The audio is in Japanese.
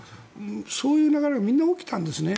そういう流れが起きたんですね。